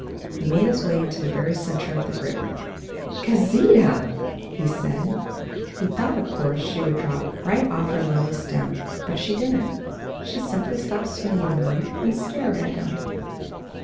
He made his way into the very centre of the group. "Gauzita!" he said. He thought, of course, she would drop right off her lily stem; but she didn't. She simply stopped swinging a moment, and stared at him.